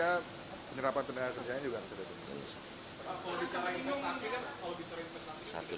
kalau bicara investasi kan kalau bicara investasi itu